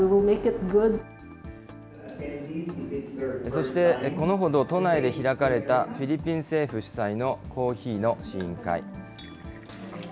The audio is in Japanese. そして、このほど、都内で開かれた、フィリピン政府主催のコーヒーの試飲会。